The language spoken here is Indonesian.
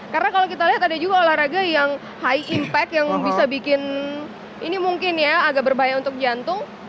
karena kalau kita lihat ada juga olahraga yang high impact yang bisa bikin ini mungkin ya agak berbahaya untuk jantung